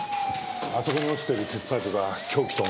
あそこに落ちている鉄パイプが凶器と思われます。